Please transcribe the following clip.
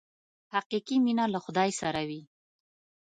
حقیقي مینه له خدای سره وي.